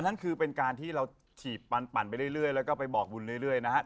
นั่นคือเป็นการที่เราฉีดปันไปเรื่อยแล้วก็ไปบอกบุญเรื่อยนะครับ